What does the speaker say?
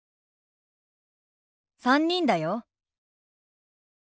３人だよ。